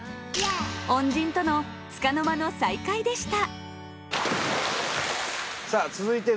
恩人との束の間の再会でした。